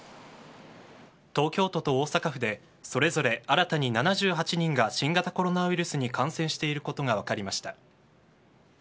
東京と大阪府でそれぞれ新たに７８人が新型コロナウイルスに感染していることが分かりました。